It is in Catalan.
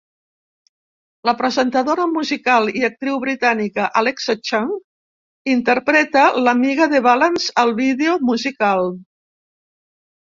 La presentadora musical i actriu britànica Alexa Chung interpreta l'amiga de Valance al vídeo musical.